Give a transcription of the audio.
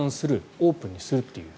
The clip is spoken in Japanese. オープンにするという。